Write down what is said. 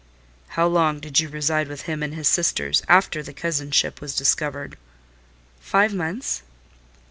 "How long did you reside with him and his sisters after the cousinship was discovered?" "Five months."